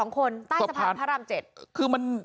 ก็ได้ค่ะ